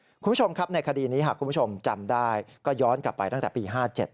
คุณผู้ชมครับในคดีนี้หากคุณผู้ชมจำได้ก็ย้อนกลับไปตั้งแต่ปี๕๗